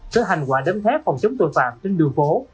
cho hành quả đấm thép phòng chống tội phạm trên đường phố